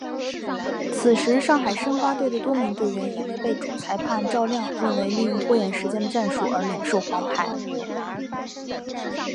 此时上海申花队的多名队员因为被主裁判赵亮认为利用拖延时间的战术而领受黄牌。